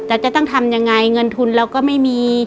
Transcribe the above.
แต่จะต้องทำยังไงเงินทุนเราก็ไม่มี